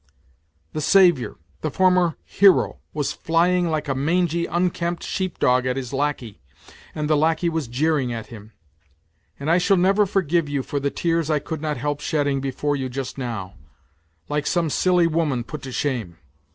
The saviour, the former hero, was flying like a mangy, unkempt sheep dog at his lackey, and the lackey was jeering at him ! And I shall never forgive you for the tears I could not help shedding before you just now, like some silly woman put to shame